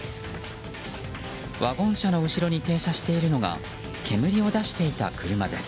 ワゴン車の後ろに停車しているのが煙を出していた車です。